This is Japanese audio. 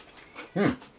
うん！